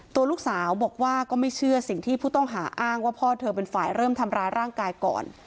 ตัวลูกสาวบอกว่าก็ไม่เชื่อสิ่งที่ผู้ต้องหาอ้างว่าพ่อเธอเป็นฝ่ายเริ่มทำร้ายร่างกายก่อน